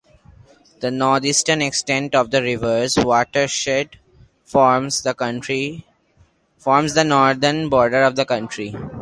The northern extent of the river's watershed forms the northern border of the county.